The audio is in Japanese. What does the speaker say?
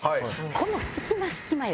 この隙間隙間よ。